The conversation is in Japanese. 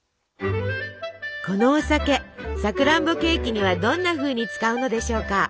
このお酒さくらんぼケーキにはどんなふうに使うのでしょうか？